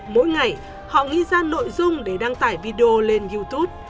mỗi ngày họ ghi ra nội dung để đăng tải video lên youtube